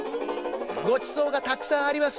ごちそうがたくさんあります。